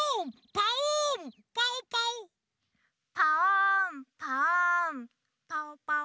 パオンパオンパオパオ。